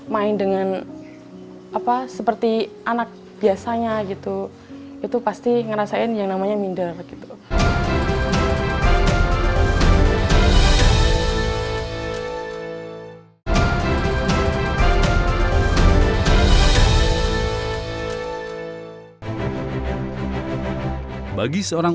main dengan seperti anak biasanya gitu itu pasti ngerasain yang namanya minder